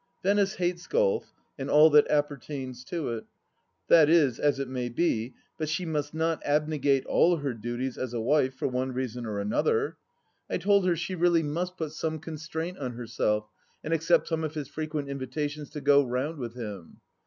Venice hates golf and all that appertains to it. That is as it may be, but she must not abnegate all her duties as a wife for one reason or another I I told her she really must 298 THE LAST DITCH 293 put some constraint on herself, and accept some of his frequent invitations to go round with him.